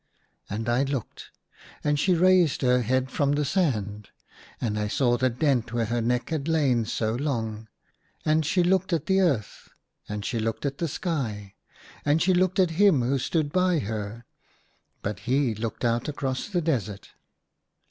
" And I looked. And she raised her head from the sand, and I saw the dent THREE DREAMS IN A DESERT. 7^ where her neck had lain so long. And she looked at the earth, and she looked at the sky, and she looked at him who stood by her : but he looked out across the desert.